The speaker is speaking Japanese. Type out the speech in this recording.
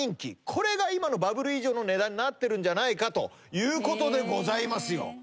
これが今のバブル以上の値段になってるんじゃないかということでございますよ。